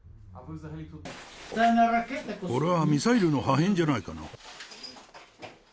これはミサイルの破片じゃないかな？